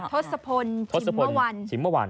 ทศพลฉิมเมื่อวัน